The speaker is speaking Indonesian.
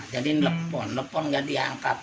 jadi nelfon nelfon tidak diangkat